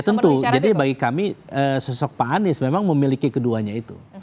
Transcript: ya tentu jadi bagi kami sosok pak anies memang memiliki keduanya itu